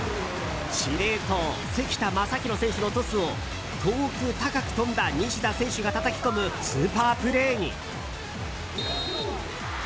司令塔・関田誠大選手のトスを遠く、高く飛んだ西田選手がたたき込むスーパープレーに。